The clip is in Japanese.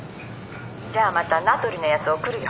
じゃあまた名取のやつ送るよ。